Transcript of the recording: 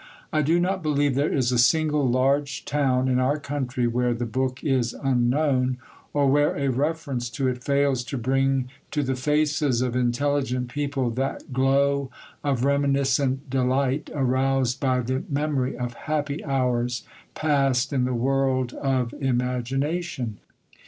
I do not believe there is a single large town in our country where the book is unknown, or where a reference to it fails to bring to the faces of intelligent people that glow of reminiscent delight aroused by the memory of happy hours passed in the world of imagination.